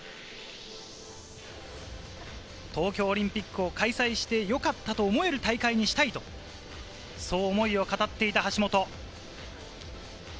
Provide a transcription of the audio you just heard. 東京オリンピックを開催してよかったと思える大会にしたいと、そう思いを語っていた橋本。